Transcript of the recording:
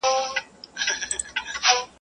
په خوب لیدلی مي توپان وو ما یې زور لیدلی ..